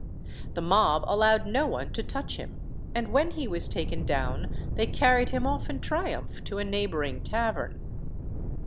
The mob allowed no one to touch him; and when he was taken down they carried him off in triumph to a neighbouring tavern.